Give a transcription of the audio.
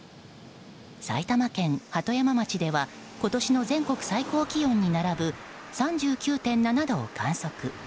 埼玉県鳩山町では今年の全国最高気温に並ぶ３９．７度を観測。